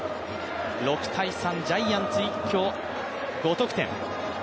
６−３、ジャイアンツ一挙５得点。